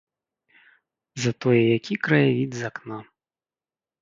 Затое які краявід з акна!